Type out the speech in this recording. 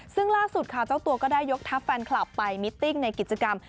ซึ่งล่าสุดค่ะเจ้าตัวก็ได้ยกทัพแฟนคลับไปมิตติ้งในกิจกรรม